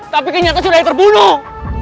tapi kenyataan sudah ada yang terbunuh